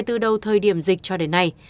từ thời điểm dịch cho đến nay